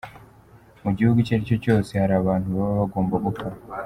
"Mu gihugu icyo ari cyo cyose hari abantu baba bagomba gupfa.